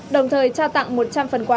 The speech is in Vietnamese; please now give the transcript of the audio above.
đồng thời trao tặng một trăm linh phần quà